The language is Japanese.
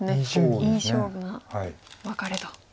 いい勝負なワカレと。